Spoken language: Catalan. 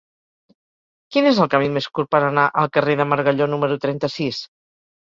Quin és el camí més curt per anar al carrer del Margalló número trenta-sis?